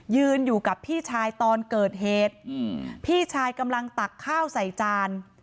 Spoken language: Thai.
ยืนอยู่กับพี่ชายตอนเกิดเหตุพี่ชายกำลังตักข้าวใส่จาน